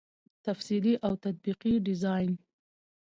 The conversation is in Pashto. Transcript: تفصیلي او تطبیقي ډيزاين